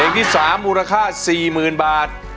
ที่๓มูลค่า๔๐๐๐บาท